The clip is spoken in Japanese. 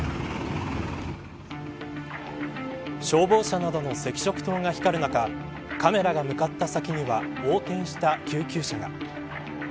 消防車などの赤色灯が光る中カメラが向かった先には横転した救急車が。